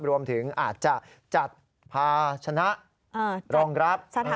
รวมถึงอาจจะจัดภาชนะรองรับ